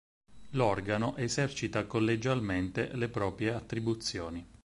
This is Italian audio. L'organo esercita collegialmente le proprie attribuzioni.